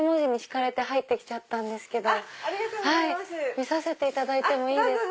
見させていただいていいですか？